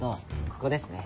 ここですね。